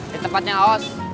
di tempatnya os